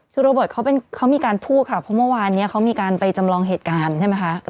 คือโรเบิร์ตเขามีการพูดค่ะเพราะเมื่อวานนี้เขามีการไปจำลองเหตุการณ์ใช่ไหมคะ